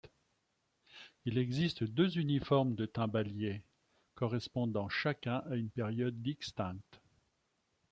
Il existe deux uniformes de timbaliers, correspondant chacun à une période distincte.